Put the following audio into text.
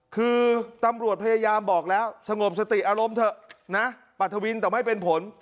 คือตำรวจพยายามบอกแล้วสงบสติอารมณ์เถอะนะปรัฐวินแต่ไม่เป็นผล